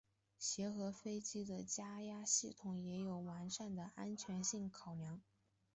协和飞机的加压系统也有完善的安全性考量。